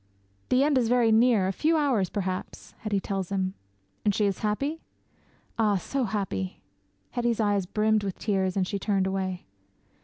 '"The end is very near a few hours perhaps!" Hetty tells him. '"And she is happy?" '"Ah, so happy!" Hetty's eyes brimmed with tears and she turned away.